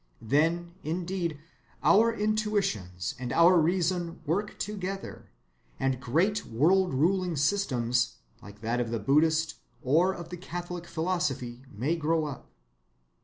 Then, indeed, our intuitions and our reason work together, and great world‐ruling systems, like that of the Buddhist or of the Catholic philosophy, may grow up.